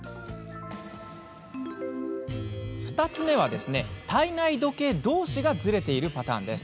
２つ目は体内時計どうしがずれているパターン。